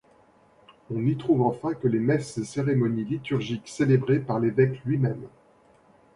On n'y trouve enfin que les messes et cérémonies liturgiques célébrées par l'évêque lui-même.